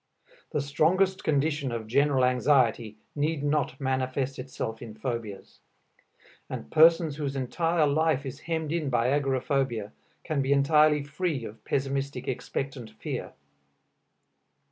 The strongest condition of general anxiety need not manifest itself in phobias; and persons whose entire life is hemmed in by agoraphobia can be entirely free of pessimistic expectant fear.